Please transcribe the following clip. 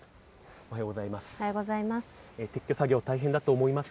おはようございます。